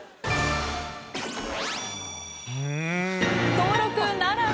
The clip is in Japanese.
登録ならず！